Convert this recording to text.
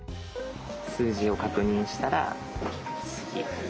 数字を確認したら次。